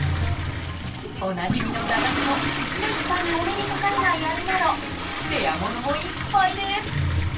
おなじみの駄菓子の滅多にお目にかかれない味などレアものもいっぱいです。